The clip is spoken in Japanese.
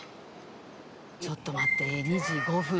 ちょっと待って２時５分。